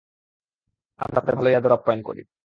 আমরা তাদের ভালই আদর আপ্যায়ন করি।